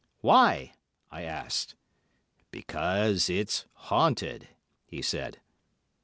"Why?" I asked. "Because it's haunted," he said.